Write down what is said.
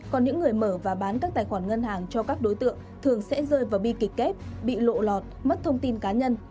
còn những người mở và bán các tài khoản ngân hàng cho các đối tượng thường sẽ rơi vào bi kịch kép bị lộ lọt mất thông tin cá nhân